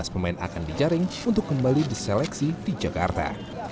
lima belas pemain akan dijaring untuk kembali ke jakarta